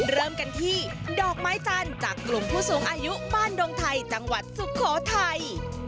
เริ่มกันที่ดอกไม้จันทร์จากกลุ่มผู้สูงอายุบ้านดงไทยจังหวัดสุโขทัย